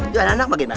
jual anak bagaimana